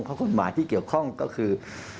เพราะกฎหมายที่เกี่ยวข้องก็คือ